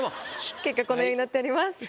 結果このようになっております。